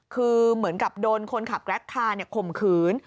คือเหมือนกับโดนคนขับแกรกคาข่มขืน